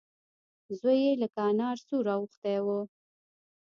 زوی يې لکه انار سور واوښتی و.